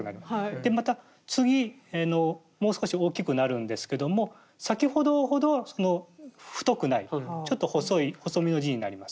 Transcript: でまた次もう少し大きくなるんですけども先ほどほどは太くないちょっと細めの字になります。